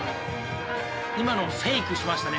今のフェイクしましたね。